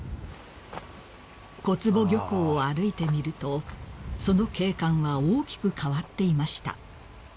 ［小坪漁港を歩いてみるとその景観は大きく変わっていました］